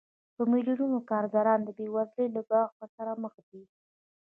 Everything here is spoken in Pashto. په میلیونونو کارګران د بېوزلۍ له ګواښ سره مخ دي